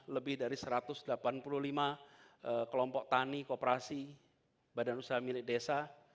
lebih dari satu ratus delapan puluh lima kelompok tani kooperasi badan usaha milik desa